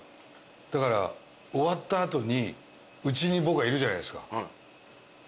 だから終わった後にうちに僕いるじゃないですか。